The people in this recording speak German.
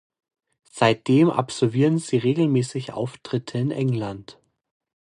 Seitdem absolvieren sie regelmäßig Auftritte in England.